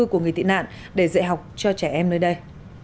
của người tị nạn để dạy học cho trẻ em nơi đây